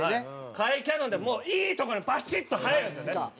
甲斐キャノンでもういいとこにバシッと入るんですよね。